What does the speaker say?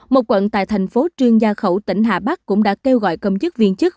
một quận tại thành phố trương gia khẩu tỉnh hà bắc cũng đã kêu gọi công chức viên chức